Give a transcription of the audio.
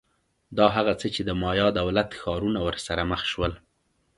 دا هغه څه چې د مایا دولت ښارونه ورسره مخ شول